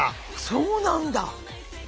そうなんだ！